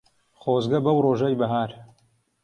خۆزگە بەو ڕۆژەی بەهار